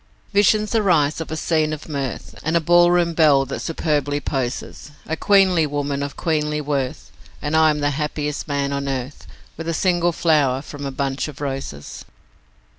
Visions arise of a scene of mirth, And a ball room belle that superbly poses A queenly woman of queenly worth, And I am the happiest man on earth With a single flower from a bunch of roses.